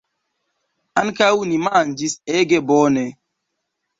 Ankaŭ ni manĝis ege bone!